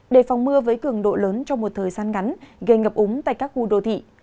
đề phòng mưa với cường độ lớn trong một thời gian ngắn gây ngập úng tại các khu đô thị